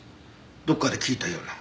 どっかで聞いたような。